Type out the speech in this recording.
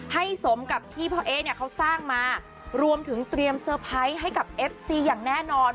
สมกับที่พ่อเอ๊ะเนี่ยเขาสร้างมารวมถึงเตรียมเซอร์ไพรส์ให้กับเอฟซีอย่างแน่นอน